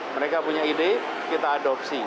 mereka punya ide kita adopsi